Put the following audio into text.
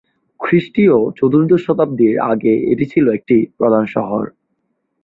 খ্রিস্টীয় চতুর্দশ শতাব্দীর আগে এটি ছিল একটি প্রধান শহর।